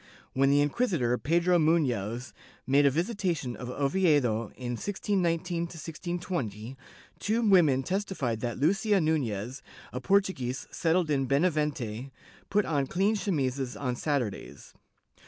When the inqui sitor Pedro Mufioz made a visitation of Oviedo in 1619 20, two women testified that Lucia Nunez, a Portuguese settled in Bena vente, put on clean chemises on Saturdays.